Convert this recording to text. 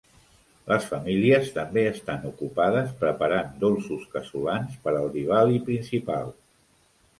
Les famílies també estan ocupades preparant dolços casolans per al Divali principal.